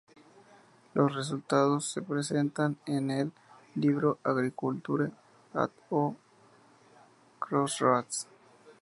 Los resultados se presentan en el libro: Agriculture at a Crossroads.